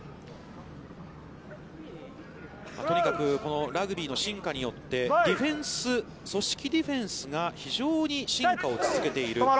とにかくラグビーの進化によってディフェンス、そしてディフェンスが非常に進化を続けている。